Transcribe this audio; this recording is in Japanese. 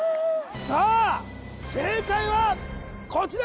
さあ正解はこちら！